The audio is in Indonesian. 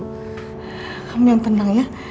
kamu yang tenangnya